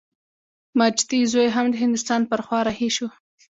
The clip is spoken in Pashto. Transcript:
ماجتي زوی هم د هندوستان پر خوا رهي شو.